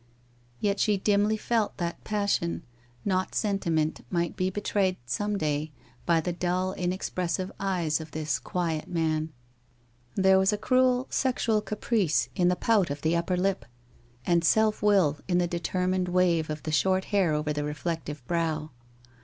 Yet she dimly felt that passion, not sentiment, might be betrayed, some day, by the dull inexpressive eyes of this 'quiet' man. There was cruel sexual caprice in the pout of the upper lip, and self will in the determined wave of the short hair over the reflective brow.